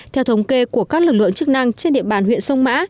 theo thống kê của các lực lượng chức năng trên địa bàn huyện sông mã